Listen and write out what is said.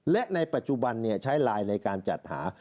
และในปัจจุบันใช้ไลน์ในการจัดหา